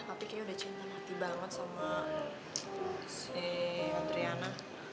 nanti kayaknya udah cinta mati banget sama si adriana